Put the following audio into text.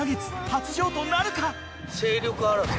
初譲渡となるか？